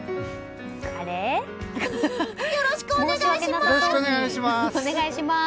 よろしくお願いします！